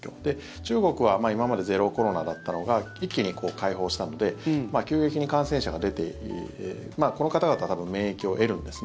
中国は今までゼロコロナだったのが一気に開放したので急激に感染者が出てこの方々は多分、免疫を得るんですね。